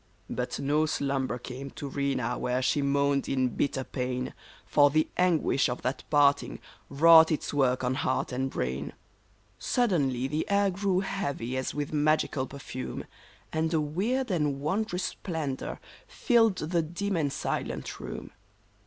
But no slumber came to Rena where she moaned in bitter pain. For the anguish of that parting wrought its work on heart and brain. 1 54 RENA Suddenly the air grew heavy as with magical perfume, And a weird and wondrous splendor filled the dim and silent room.